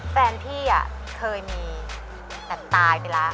แฟนพี่เคยมีแบบตายไปแล้ว